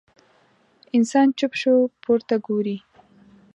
انسان چوپ شو، پورته ګوري.